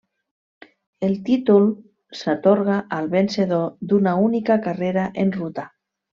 El títol s'atorga al vencedor d'una única carrera en ruta.